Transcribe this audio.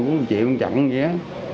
cũng triệu chặn vậy á